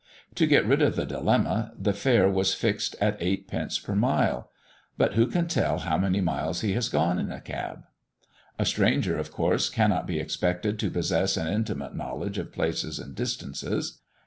To get rid of the dilemma the fare was fixed at eight pence per mile. But who can tell how many miles he has gone in a cab? A stranger of course cannot be expected to possess an intimate knowledge of places and distances.